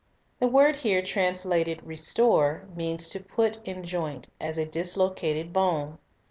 "" The word here translated "restore" means to put in joint, as a dislocated bone.